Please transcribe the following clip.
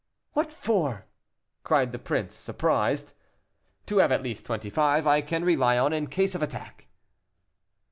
"What for?" cried the prince, surprised. "To have at least twenty five I can rely on in case of attack."